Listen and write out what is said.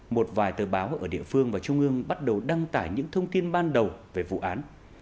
một vài tờ báo ở địa phương và trung ương bắt đầu đăng tải những thông tin ban đầu về vụ án